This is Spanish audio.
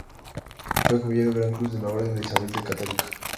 Fue caballero gran cruz de la Orden de Isabel la Católica.